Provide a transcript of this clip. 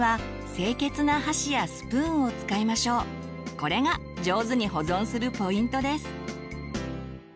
これが上手に保存するポイントです。